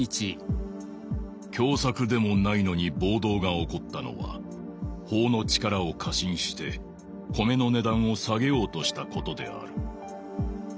「凶作でもないのに暴動が起こったのは法の力を過信して米の値段を下げようとしたことである」。